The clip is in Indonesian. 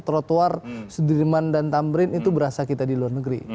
trotoar sudirman dan tamrin itu berasa kita di luar negeri